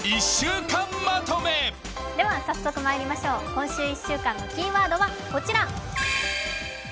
今週１週間のキーワードはこちら。